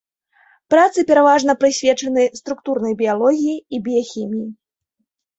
Працы пераважна прысвечаны структурнай біялогіі і біяхіміі.